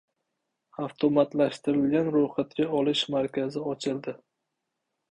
Avtomatlashtirilgan ro‘yxatga olish markazi ochildi